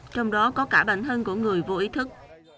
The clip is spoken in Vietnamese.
trong đó có cả bản thân của người vô ý thức